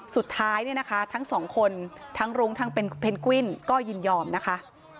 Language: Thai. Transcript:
สุดท้ายทั้งสองคนทั้งรุ้งทั้งเพนกวินก็ยินยอมนะคะ